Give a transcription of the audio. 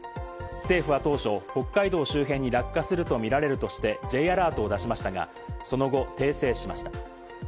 政府は当初、北海道周辺に落下するとみられるとしてＪアラートを出しましたが、その後、訂正しました。